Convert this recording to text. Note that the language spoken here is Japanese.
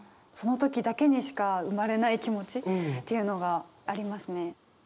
その時だけにしか生まれない気持ちっていうのがありますね。